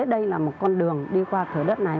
đây là một con đường đi qua thửa đất này